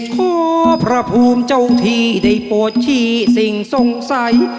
ขอพระภูมิเจ้าที่ได้โปรดชี้สิ่งสงสัย